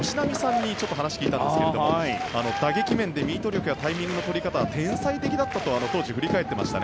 その方に話を聞いたんですが打撃面でミート力やタイミングの取り方が天才的だったと振り返っていました。